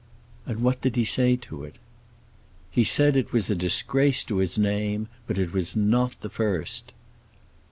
"And what did he say to it?" "He said it was a disgrace to his name—but it was not the first."